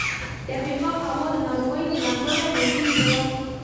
د افریقا هوا له ناروغیو له امله وژونکې وه.